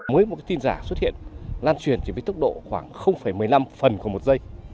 với một tin giả xuất hiện lan truyền chỉ với tốc độ khoảng một mươi năm phần của một giây